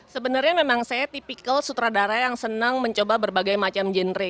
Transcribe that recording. sebenarnya memang saya tipikal sutradara yang senang mencoba berbagai macam genre